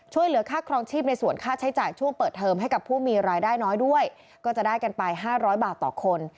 ช่วยเหลือค่าครองชีพในส่วนค่าใช้จ่ายช่วงเปิดเทอมให้กับผู้มีรายได้น้อยด้วยก็จะได้กันไป๕๐๐บาทต่อคน